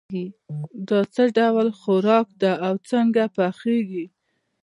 دا څه ډول خوراک ده او څنګه پخیږي